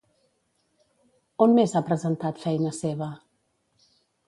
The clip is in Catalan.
On més ha presentat feina seva?